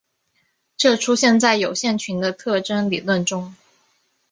这出现在有限群的特征理论中。